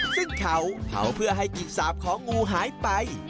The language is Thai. ซึ่งเขาเผาเพื่อให้จิกสาบของงูหายไป